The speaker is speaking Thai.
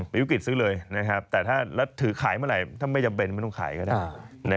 มีวิกฤตซื้อเลยแต่ถ้าถือขายเมื่อไหร่ถ้าไม่จำเป็นไม่ต้องขายก็ได้